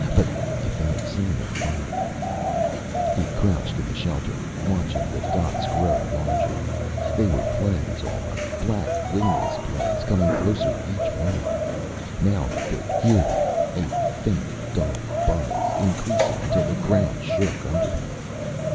But if they had seen the fire He crouched in the shelter, watching the dots grow larger. They were planes, all right. Black wingless planes, coming closer each moment. Now he could hear them, a faint dull buzz, increasing until the ground shook under him.